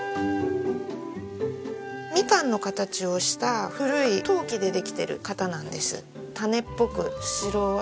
ミカンの形をした古い陶器でできてる型なんです。